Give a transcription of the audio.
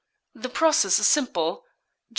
The process is simple, Jos.